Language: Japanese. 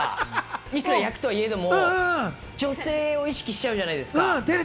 いくら役とはいえども、女性を意識しちゃうじゃないですか。